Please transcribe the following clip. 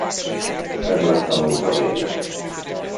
Ez lett a nóta vége!